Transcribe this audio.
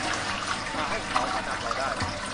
อย่าให้เขามานำเราได้